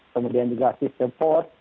kemudian juga system port